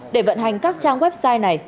để vận hành các trang website này